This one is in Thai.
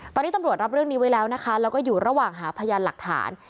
ตอนนี้ตำรวจรับเรื่องนี้ไว้แล้วนะคะแล้วก็อยู่ระหว่างหาพยานหลักฐาน